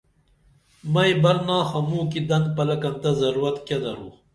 مئی برناحہ موں کی دن پلکن تہ ضرورت کیہ درو